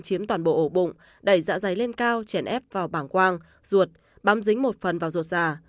chiếm toàn bộ ổ bụng đẩy dạ dày lên cao chèn ép vào bảng quang ruột bám dính một phần vào ruột già